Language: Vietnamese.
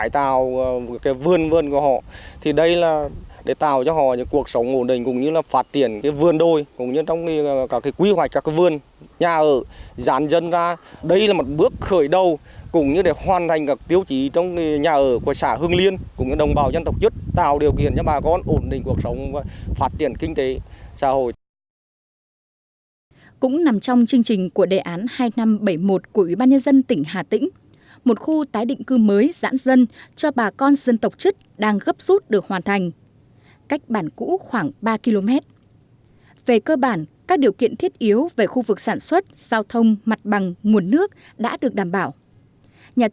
theo đề án hai nghìn năm trăm bảy mươi một ủy ban nhân dân tỉnh hà tĩnh cũng đã có những hướng dẫn và quy hoạch lâu dài nhằm tướng bước ổn định và nâng cao đời sống